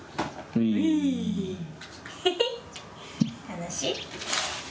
楽しい？